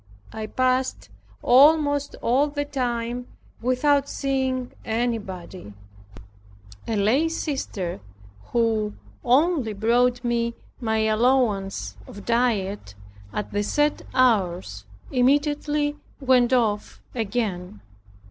I passed almost all the time without seeing anybody. A lay sister who only brought me my allowance of diet at the set hours immediately went off again.